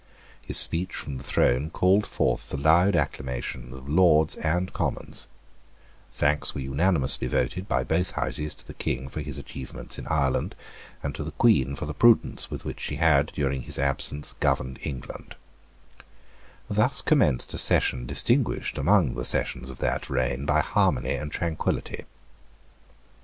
His speech from the throne called forth the loud acclamations of Lords and Commons, Thanks were unanimously voted by both Houses to the King for his achievements in Ireland, and to the Queen for the prudence with which she had, during his absence, governed England, Thus commenced a Session distinguished among the Sessions of that reign by harmony and tranquillity.